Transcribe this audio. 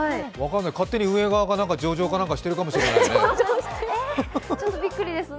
勝手に運営側が上場してるかもしれないね。